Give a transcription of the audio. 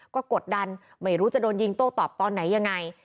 ก็กดดันไม่รู้จะโดนยิงโต้ตอบตอนไหนยังไง